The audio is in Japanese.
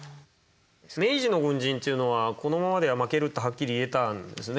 明治の軍人っていうのは「このままでは負ける」ってはっきり言えたんですね。